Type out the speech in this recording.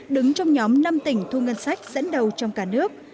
đứng trong nhóm năm tỉnh thu ngân sách dẫn đầu trong cả nước